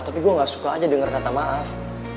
tapi gue gak suka aja dengar kata maaf